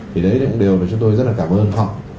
thì đấy là một điều mà chúng tôi rất là cảm ơn phó